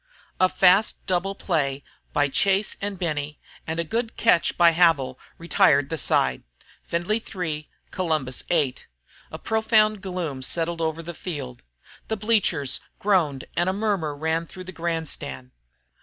A fast double play by Chase and Benny and a good catch by Havil retired the side. Findlay 3, Columbus 8. A profound gloom settled over the field. The bleachers groaned and a murmur ran through the grandstand.